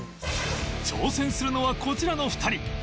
挑戦するのはこちらの２人